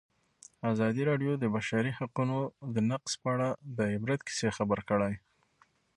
ازادي راډیو د د بشري حقونو نقض په اړه د عبرت کیسې خبر کړي.